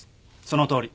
そのとおり。